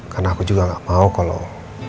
karena aku juga gak mau kalau